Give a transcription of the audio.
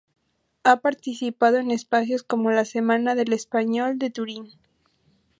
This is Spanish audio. Ha participado en espacios como la Semana del español de Turín.